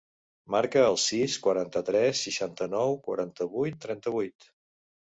Marca el sis, quaranta-tres, seixanta-nou, quaranta-vuit, trenta-vuit.